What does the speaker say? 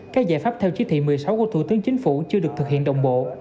các giải pháp theo chí thị một mươi sáu của thủ tướng chính phủ chưa được thực hiện đồng bộ